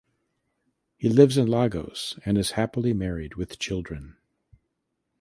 He lives in Lagos and is happily married with children.